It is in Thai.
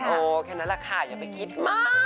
แค่นั้นแหละค่ะอย่าไปคิดมาก